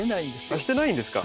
あっしてないんですか？